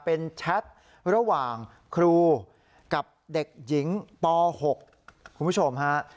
เป็นแชทระหว่างครูกับเด็กหญิงป๖คุณผู้ชมฮะ